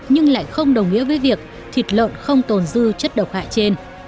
nhưng lại không đồng nghĩa với việc thịt lợn không tồn dư chất độc hại trên